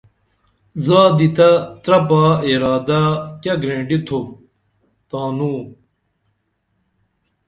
زادی تہ ترپا ارادہ کیہ گرینٹی تھوپ تانوں